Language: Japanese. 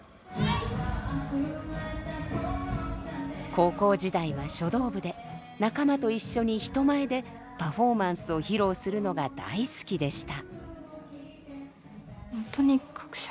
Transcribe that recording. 高校時代は書道部で仲間と一緒に人前でパフォーマンスを披露するのが大好きでした。